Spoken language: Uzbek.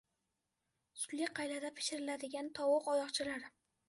Sutli qaylada pishiriladigan tovuq oyoqchalari